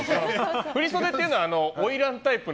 振り袖というのは花魁タイプの？